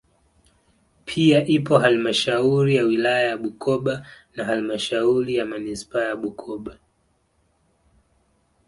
Pia ipo halmashauri ya wilaya ya Bukoba na halmashuri ya manispaa ya Bukoba